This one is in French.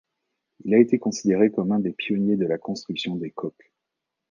Il a été considéré comme un des pionniers de la construction des coques.